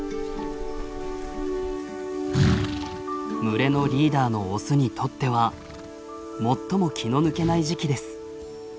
群れのリーダーのオスにとっては最も気の抜けない時期です。